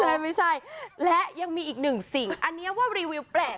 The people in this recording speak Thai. ใช่ไม่ใช่และยังมีอีกหนึ่งสิ่งอันนี้ว่ารีวิวแปลก